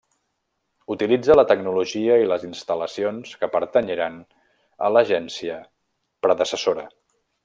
Utilitza la tecnologia i les instal·lacions que pertanyeren a l'agència predecessora.